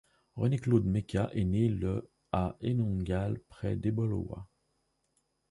René Claude Meka est né le à Enongal près d'Ebolowa.